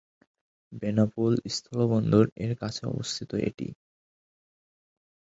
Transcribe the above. বেনাপোল স্থলবন্দর এর কাছে অবস্থিত এটি।